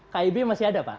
kib masih ada pak